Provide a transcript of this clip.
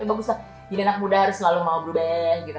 bagus jadi anak muda harus selalu mau blue band gitu